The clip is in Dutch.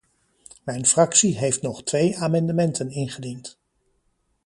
Mijn fractie heeft nog twee amendementen ingediend.